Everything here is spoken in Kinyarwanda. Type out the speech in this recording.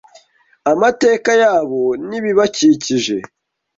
amateka yabo n’ibibakikije.